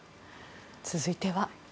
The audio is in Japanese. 続いては。